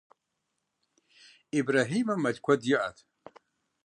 Ибрэхьимым мэл куэд иӏэт.